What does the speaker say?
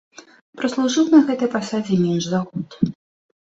Праслужыў на гэтай пасадзе менш за год.